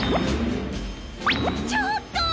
ちょっと！